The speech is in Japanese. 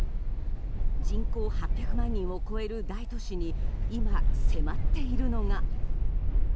人口８００万人を超える大都市に今、迫っているのが。